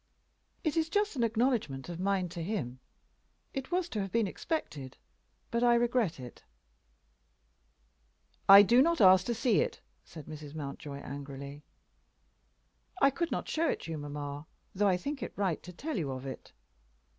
"It is just an acknowledgment of mine to him. It was to have been expected, but I regret it." "I do not ask to see it," said Mrs. Mountjoy, angrily. "I could not show it you, mamma, though I think it right to tell you of it."